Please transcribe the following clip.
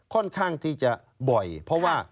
ค่อนข้างที่จะบ่อยเพราะว่า